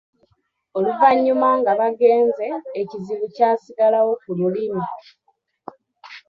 Oluvannyuma nga bagenze ekizibu kyasigalawo ku lulimi.